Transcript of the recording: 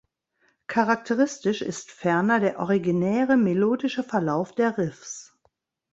Charakteristisch ist ferner der originäre melodische Verlauf der Riffs.